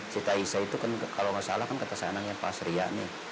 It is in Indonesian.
siti aisyah itu kan kalau gak salah kan kata saya nanya pak sria nih